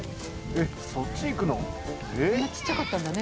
あんなちっちゃかったんだね